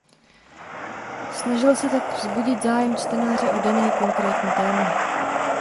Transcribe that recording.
Snažil se tak vzbudit zájem čtenáře o dané konkrétní téma.